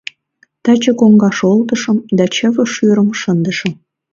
Таче коҥгаш олтышым да чыве шӱрым шындышым.